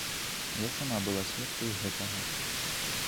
Я сама была сведкай гэтага.